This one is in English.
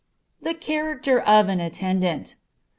_The Character of an Attendant.